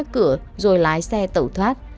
cửa rồi lái xe tẩu thoát